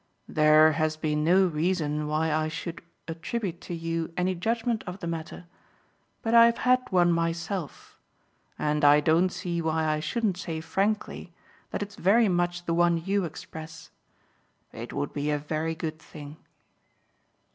"There has been no reason why I should attribute to you any judgement of the matter; but I've had one myself, and I don't see why I shouldn't say frankly that it's very much the one you express. It would be a very good thing."